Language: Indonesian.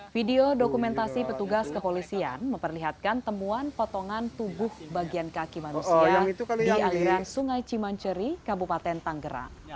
video dokumentasi petugas kepolisian memperlihatkan temuan potongan tubuh bagian kaki manusia di aliran sungai cimanceri kabupaten tanggerang